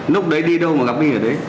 lúc đấy đi đâu mà gặp my ở đấy